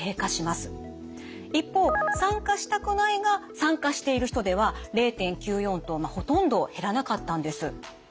一方参加したくないが参加している人では０．９４とほとんど減らなかったんです。